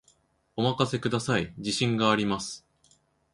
お任せください、自信があります